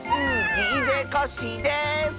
ＤＪコッシーです！